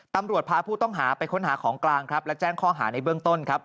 ตำรวจพาผู้ต้องหาไปค้นหาของกลางครับและแจ้งข้อหาในเบื้องต้นครับ